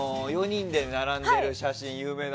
４人で並んでる写真